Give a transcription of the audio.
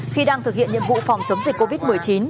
khi đang thực hiện nhiệm vụ phòng chống dịch covid một mươi chín